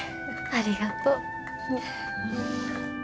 ありがとう。